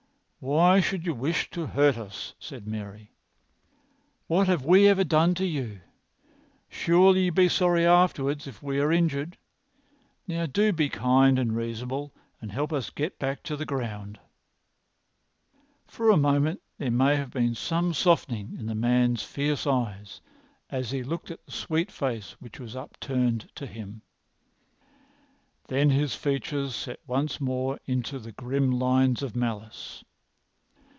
"Why should you wish to hurt us?" said Mary. "What have we ever done to you? Surely you will be sorry afterwards if we are injured. Now do be kind and reasonable and help us to get back to the ground." For a moment there may have been some softening in the man's fierce eyes as he looked at the sweet face[Pg 252] which was upturned to him. Then his features set once more into their grim lines of malice.